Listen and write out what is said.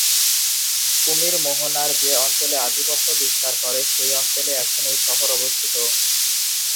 কুমির মোহনার যে অঞ্চলে আধিপত্য বিস্তার করে সেই অঞ্চলে এখন এই শহর অবস্থিত।